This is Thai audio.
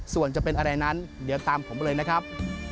ส่วนจะเป็นอะไรนั้นเดี๋ยวตามผมไปเลยนะครับ